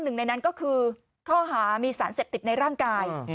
หนึ่งในนั้นก็คือข้อหามีสารเสพติดในร่างกาย